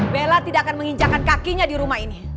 bella tidak akan menginjakan kakinya di rumah ini